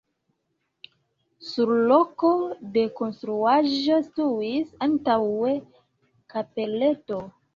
Sur loko de konstruaĵo situis antaŭe kapeleto.